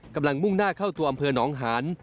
มุ่งหน้าเข้าตัวอำเภอหนองหาน